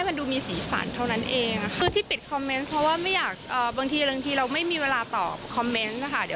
บางทีเราไม่มีเวลาตอบคอมเมนต์ค่ะ